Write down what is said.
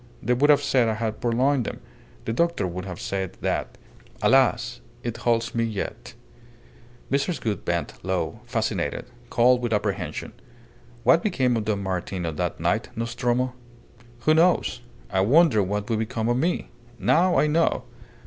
They would have said I had purloined them. The doctor would have said that. Alas! it holds me yet!" Mrs. Gould bent low, fascinated cold with apprehension. "What became of Don Martin on that night, Nostromo?" "Who knows? I wondered what would become of me. Now I know.